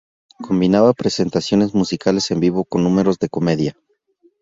Combinaba presentaciones musicales en vivo con números de comedia.